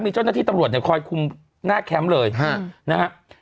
มีเจ้าหน้าที่ตำรวจเนี่ยคอยคุมหน้าแคมป์เลยนะฮะ